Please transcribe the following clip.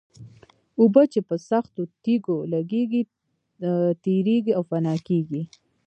اوبه چې په سختو تېږو لګېږي تېرېږي او فنا کېږي.